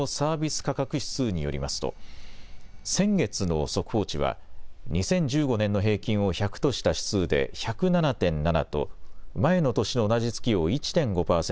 価格指数によりますと先月の速報値は２０１５年の平均を１００とした指数で１０７．７と前の年の同じ月を１．５％